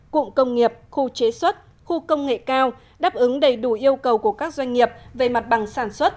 cụm công nghiệp khu chế xuất khu công nghệ cao đáp ứng đầy đủ yêu cầu của các doanh nghiệp về mặt bằng sản xuất